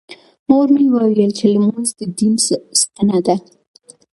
مور مې وویل چې لمونځ د دین ستنه ده.